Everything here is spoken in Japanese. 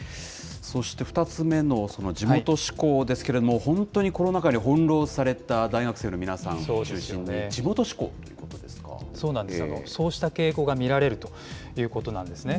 そして２つ目の地元志向ですけれども、本当にコロナ禍に翻弄された大学生の皆さん中心に、地元志向といそうした傾向が見られるということなんですね。